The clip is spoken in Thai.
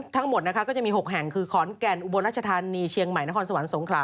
ทั้งหมดนะคะก็จะมี๖แห่งคือขอนแก่นอุบลรัชธานีเชียงใหม่นครสวรรค์สงขลา